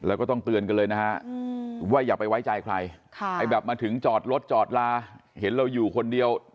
แล้วก็ต้องเตือนกันเลยนะฮะว่าอย่าไปไว้ใจใครแบบมาถึงจอดรถจอดลาเห็นเราอยู่คนเดียว